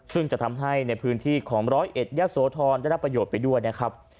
ซึ่งจะทำให้ในพื้นที่ของร้อยเอ็ดยะโสธรได้รับประโยชน์ไปด้วยนะครับ